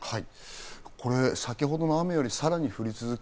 先ほどの雨よりさらに降り続く。